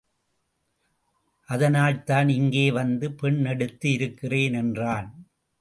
அதனால்தான் இங்கே வந்து பெண் எடுத்து இருக்கிறேன் என்றான்.